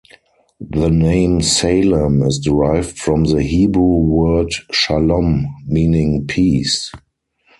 The name Salem is derived from the Hebrew word "Shalom", meaning "peace".